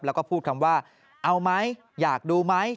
แล้วก็พูดคำว่าเอาไหมอยากดูไหม